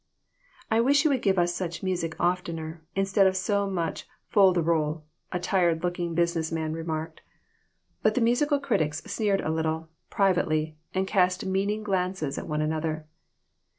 " I wish they would give us such music oftener, instead of so much fol de rol," a tired looking 232 THIS WORLD, AND THE OTHER ONE. business man remarked. But the musical critics sneered a little, privately, and cast meaning glances at one another.